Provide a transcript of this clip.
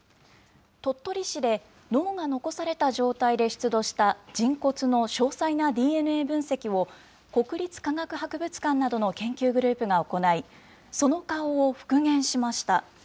鳥取市で脳が残された状態で出土した人骨の詳細なＤＮＡ分析を、国立科学博物館などの研究グループが行い、その顔を復元しました。